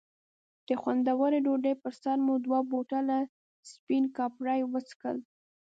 د خوندورې ډوډۍ پر سر مو دوه بوتله سپین کاپري وڅښل.